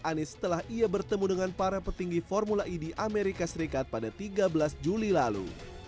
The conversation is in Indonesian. anies telah ia bertemu dengan para petinggi formula e di amerika serikat pada tiga belas juli lalu